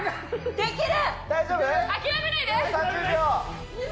できる。